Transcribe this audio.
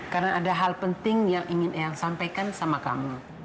karena ada hal penting yang ingin eang sampaikan sama kamu